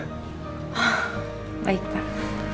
oh baik pak